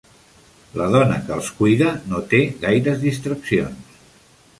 La dona que els cuida no té gaires distraccions.